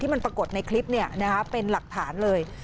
มันปรากฏในคลิปเป็นหลักฐานเลย